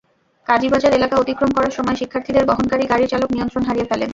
কাজীবাজার এলাকা অতিক্রম করার সময় শিক্ষার্থীদের বহনকারী গাড়ির চালক নিয়ন্ত্রণ হারিয়ে ফেলেন।